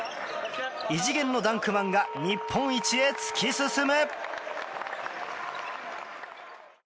異次元のダンクマンが日本一へ突き進む！